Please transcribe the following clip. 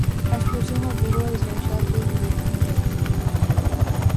A explosión obrigou a desaloxar todos os veciños do edificio.